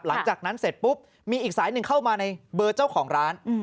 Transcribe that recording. หลังจากนั้นเสร็จปุ๊บมีอีกสายหนึ่งเข้ามาในเบอร์เจ้าของร้าน